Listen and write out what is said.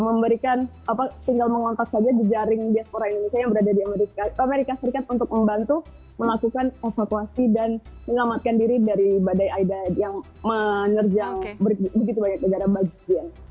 memberikan tinggal mengontak saja jejaring diaspora indonesia yang berada di amerika serikat untuk membantu melakukan evakuasi dan menyelamatkan diri dari badai aida yang menerjang begitu banyak negara bagian